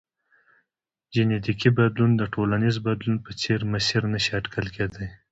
جنیټیکي بدلون د ټولنیز بدلون په څېر مسیر نه شي اټکل کېدای.